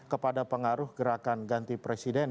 kepada pengaruh gerakan ganti presiden